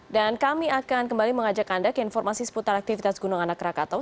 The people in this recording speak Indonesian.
dan kami akan kembali mengajak anda ke informasi seputar aktivitas gunung anak krakatau